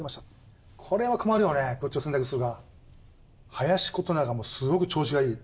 林琴奈がすごく調子がいい。